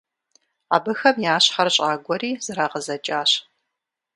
Абыхэм я щхьэр щӀагуэри зрагъэзэкӀащ.